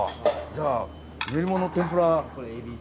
じゃあ練り物の天ぷら。